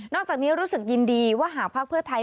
อกจากนี้รู้สึกยินดีว่าหากภักดิ์เพื่อไทย